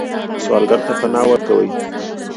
سوالګر ته پناه ورکوئ